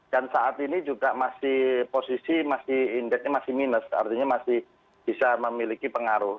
dan saat ini juga posisi indeksnya masih minus artinya masih bisa memiliki pengaruh